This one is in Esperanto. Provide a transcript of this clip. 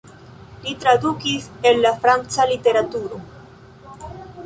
Li tradukis el franca literaturo.